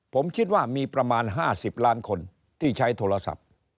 ผมคิดว่ามีประมาณ๕๐ล้านคนที่ใช้โทรศัพท์